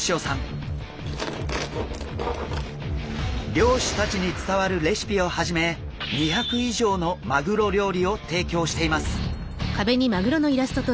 漁師たちに伝わるレシピをはじめ２００以上のマグロ料理を提供しています。